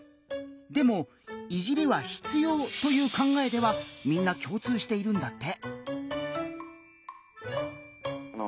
でも「いじり」は必要という考えではみんな共通しているんだって。